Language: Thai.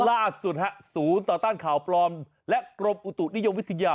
ล่าสุดฮะศูนย์ต่อต้านข่าวปลอมและกรมอุตุนิยมวิทยา